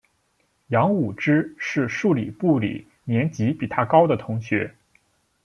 杨武之是数理部里年级比他高的同学。